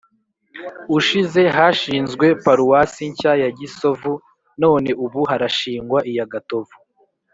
ushize hashinzwe paruwasi nshya ya gisovu, none ubu harashingwa iya gatovu.